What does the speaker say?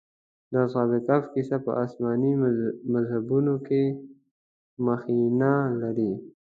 د اصحاب کهف کيسه په آسماني مذهبونو کې مخینه لري.